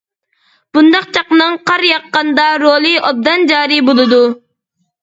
بۇنداق چاقنىڭ قار ياغقاندا رولى ئوبدان جارى بولىدۇ.